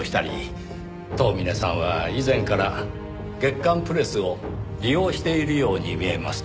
遠峰さんは以前から『月刊プレス』を利用しているように見えます。